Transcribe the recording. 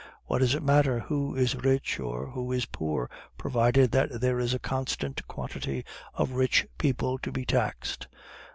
What does it matter who is rich or who is poor, provided that there is a constant quantity of rich people to be taxed?